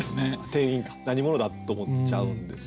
店員が何者だ？と思っちゃうんですよね。